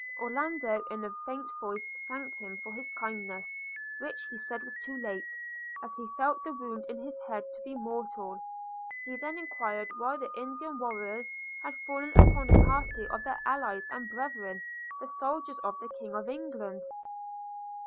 Orlando in a faint voice thanked him for his kindness, which he said was too late, as he felt the wound in his head to be mortal. He then enquired why the Indian warriors had fallen upon a party of their allies and brethren, the soldiers of the king of England?